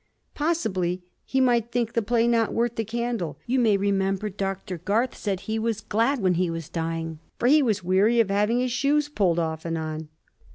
" Possibly he might think the play not worth the candle. You may remember Dr. Garth said he was glad when he was dying, for he was weary of having his shoes pulled off and on."